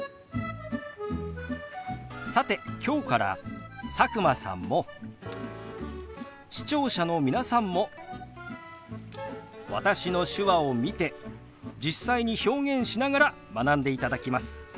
さて今日から佐久間さんも視聴者の皆さんも私の手話を見て実際に表現しながら学んでいただきます。